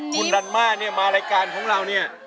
คุณรันมาร์มารายการของเรานี่